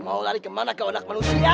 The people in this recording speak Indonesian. mau lari kemana kau anak manusia